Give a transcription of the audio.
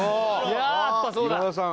「今田さん！